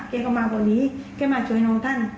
เธอก็มาพอนี้เธอก็มาช่วยน้องท่าน